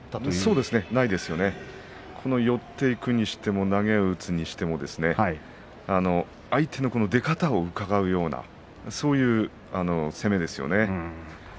寄っていくにしても投げを打つにしても相手の出方をうかがうようなそういう攻めですよね。